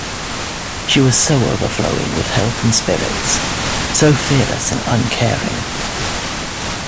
She was so overflowing with health and spirits, so fearless and uncaring.